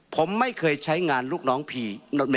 ผมไม่เคยใช้งานลูกน้องผี